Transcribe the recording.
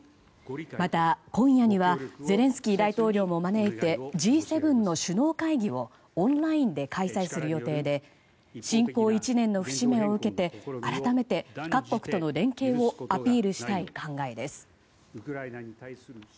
また、今夜にはゼレンスキー大統領も招いてＧ７の首脳会議をオンラインで開催する予定で侵攻１年の節目を受けて改めて各国との連携をアピールしたい考えです。